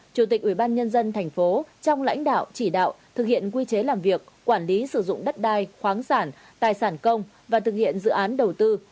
chủ tịch ubnd tp trong lãnh đạo chỉ đạo thực hiện quy chế làm việc quản lý sử dụng đất đai khoáng sản tài sản công và thực hiện dự án đầu tư